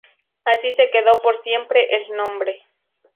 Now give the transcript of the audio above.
Así se quedó por siempre el nombre.